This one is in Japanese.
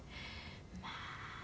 まあ。